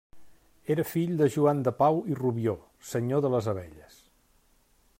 Era fill de Joan de Pau i Rubió, senyor de les Abelles.